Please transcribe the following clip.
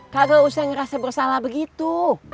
kagak usah ngerasa bersalah begitu